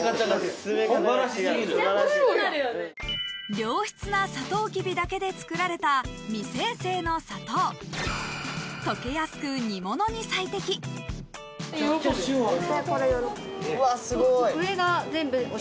良質なサトウキビだけで作られた未精製の砂糖溶けやすく煮物に最適すごい！